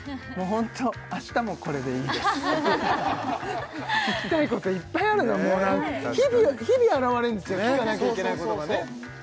ホント明日もこれでいいです聞きたいこといっぱいあるの日々あらわれるんですよ聞かなきゃいけないことがね